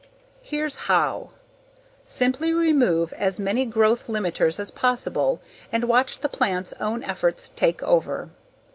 Here's how. Simply remove as many growth limiters as possible and watch the plant's own efforts take over.